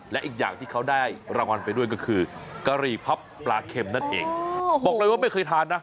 และอีกอย่างที่เขาได้รางวัลไปด้วยก็คือกะหรี่พับปลาเข็มนั่นเองบอกเลยว่าไม่เคยทานนะ